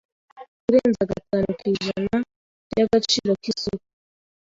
kurenza gatanu ku ijana by agaciro k isoko